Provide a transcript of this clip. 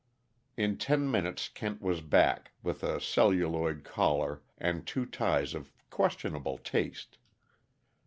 In ten minutes Kent was back, with a celluloid collar and two ties of questionable taste.